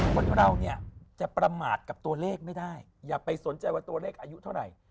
คนเราเนี่ยจะประมาทกับตัวเลขไม่ได้อย่าไปสนใจว่าตัวเลขอายุเท่าไหร่